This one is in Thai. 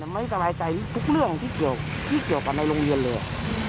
ไม่สบายใจทุกเรื่องที่เกี่ยวกับในโรงเรียนเลย